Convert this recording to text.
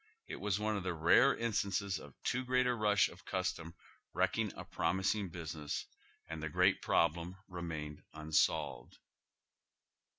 It was one of the rare instances of too great a rush of custom wrecking a promising business, and the great problem remained unsolved.